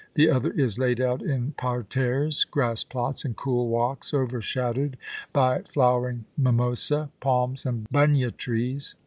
The other is laid out in parterres, grass plots, and cool walks, over shadowed by flowering mimosae, palms, and bunya trees.